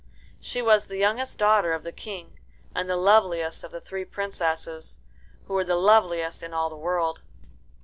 She was the youngest daughter of the King, and the loveliest of the three princesses, who were the loveliest in all the world.